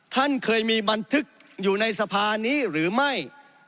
ท่านเคยมีบันทึกอยู่ในสภานี้หรือไม่